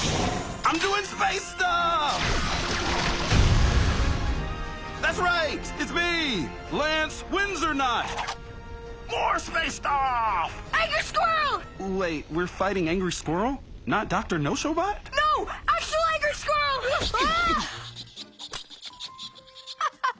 アッハハ！